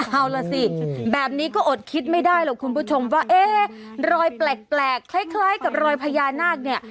เอาล่ะสิแบบนี้ก็อดคิดไม่ได้หรอกคุณผู้ชมว่าเอ๊ะรอยแปลกคล้ายกับรอยพญานาคเนี่ย